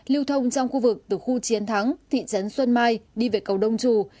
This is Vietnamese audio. lưu thông trong khu vực từ khu chiến thắng thị trấn xuân mai đi về cầu đông trù